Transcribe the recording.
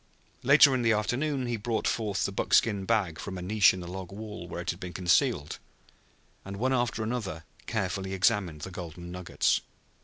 Later in the afternoon he brought forth the buckskin bag from a niche in the log wall where it had been concealed, and one after another carefully examined the golden nuggets.